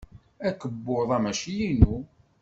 Akebbuḍ-a mačči inu.